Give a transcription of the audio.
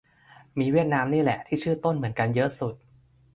มีเวียดนามนี่แหละ ที่ชื่อต้นเหมือนกันเยอะสุด